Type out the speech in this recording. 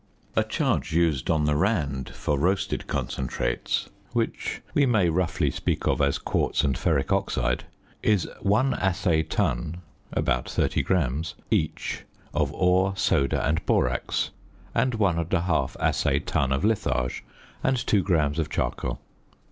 A charge used on the Randt for roasted "concentrates" (which we may roughly speak of as quartz and ferric oxide), is one assay ton (about 30 grams) each of ore, soda, and borax, and one and a half assay ton of litharge and 2 grams of charcoal.